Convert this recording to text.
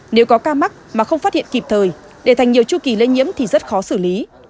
nếu có ca mắc mà không phát hiện kịp thời để thành nhiều chu kỳ lây nhiễm thì rất khó xử lý